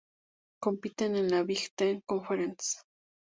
Compiten en la Big Ten Conference.